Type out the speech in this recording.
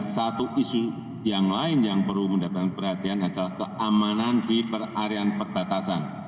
satu isu yang lain yang perlu mendapatkan perhatian adalah keamanan di perarian perbatasan